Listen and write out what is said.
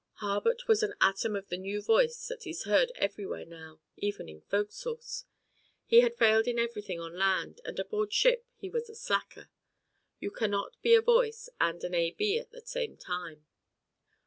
Harbutt was an atom of the new voice that is heard everywhere now, even in fo'c'sles. He had failed in everything on land and a'board ship he was a slacker. You cannot be a voice and an A.B. at the same time.